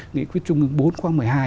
nghị quyết chung ứng bốn khoang một mươi hai